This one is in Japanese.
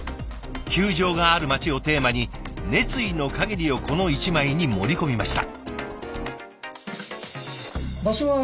「球場がある町」をテーマに熱意の限りをこの１枚に盛り込みました。